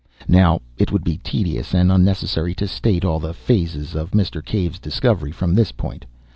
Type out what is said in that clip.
Now, it would be tedious and unnecessary to state all the phases of Mr. Cave's discovery from this point.